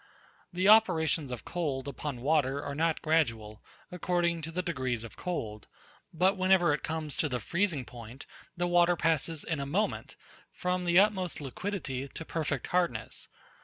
The operations of cold upon water are not gradual, according to the degrees of cold; but whenever it comes to the freezing point, the water passes in a moment, from the utmost liquidity to perfect hardness.